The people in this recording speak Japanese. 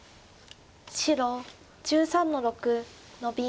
白１３の六ノビ。